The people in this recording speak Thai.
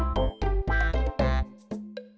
ฟิตขนาด